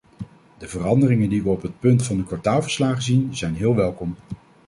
De veranderingen die we op het punt van de kwartaalverslagen zien, zijn heel welkom.